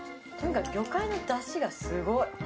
とにかく魚介のだしがすごい。